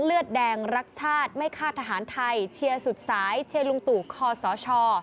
เลือดแดงรักชาติไม่คาดทหารไทยเชียร์สุดสายเชียร์ลุงตู่คอสช